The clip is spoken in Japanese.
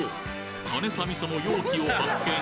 かねさ味噌の容器を発見！